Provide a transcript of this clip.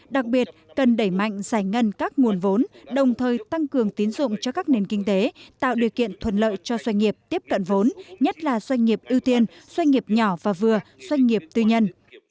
đặc biệt cần đẩy mạnh giải ngân các nguồn vốn đồng thời tăng cường tín dụng cho các nền kinh tế tạo điều kiện thuận lợi cho doanh nghiệp tiếp cận vốn nhất là doanh nghiệp ưu tiên doanh nghiệp nhỏ và vừa doanh nghiệp tư nhân